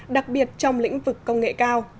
đặc biệt trong lĩnh vực công nghệ cao